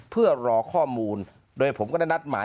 เพื่อรอข้อมูลโดยผมก็ได้นัดหมาย